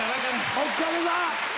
お疲れさん！